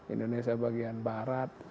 indonesia bagian barat